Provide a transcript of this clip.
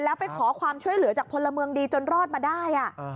แล้วไปขอความช่วยเหลือจากพลเมืองดีจนรอดมาได้